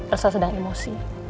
elsa sedang emosi